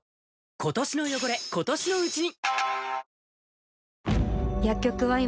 今年の汚れ、今年のうちに。